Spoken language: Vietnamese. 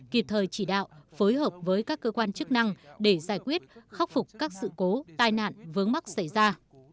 kịp thời chỉ đạo phối hợp với các cơ quan chức năng để giải quyết khắc phục các sự cố tai nạn vướng mắc xảy ra